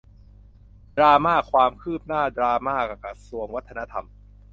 ดราม่า ความคืบหนั้าดราม่ากระทรวงวัฒนธรรม